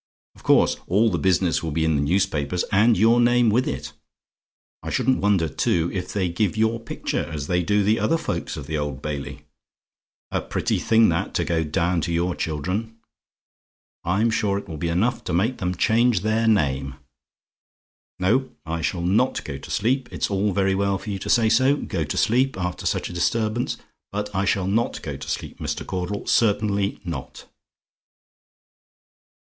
Of course all the business will be in the newspapers, and your name with it. I shouldn't wonder, too, if they give your picture as they do the other folks of the Old Bailey. A pretty thing that, to go down to your children. I'm sure it will be enough to make them change their name. No, I shall not go to sleep; it's all very well for you to say, go to sleep, after such a disturbance. But I shall not go to sleep, Mr. Caudle; certainly not."